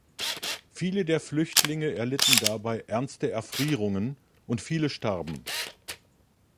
Viele der Flüchtlinge erlitten dabei ernste Erfrierungen und viele starben.